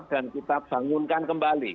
dan kita bangunkan kembali